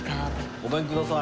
ごめんください。